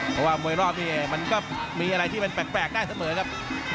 เพราะว่ามวยรอบนี้มันก็มีอะไรที่มันแปลกได้เสมอครับ